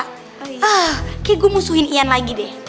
kayaknya gue musuhin iyan lagi deh